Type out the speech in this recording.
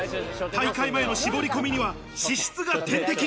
大会前の絞り込みには脂質が天敵。